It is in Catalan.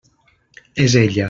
És ella.